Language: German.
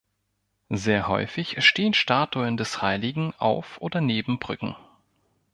Sehr häufig stehen Statuen des Heiligen auf oder neben Brücken.